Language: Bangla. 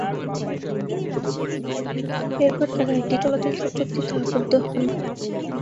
এরপর তারা একটি চলচ্চিত্র চুক্তিতে আবদ্ধ হন।